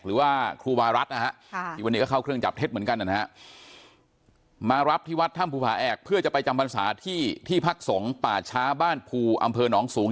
หรือว่าครูวารัฐนะฮะที่วันนี้ก็เข้าเครื่องจับเท็จเหมือนกันนะฮะมารับที่วัดถ้ำภูผาแอกเพื่อจะไปจำบรรษาที่ที่พักสงฆ์ป่าช้าบ้านภูอำเภอหนองสูง